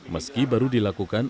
meski baru dilakukan